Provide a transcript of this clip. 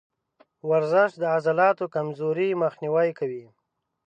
ورزش د عضلاتو کمزوري مخنیوی کوي.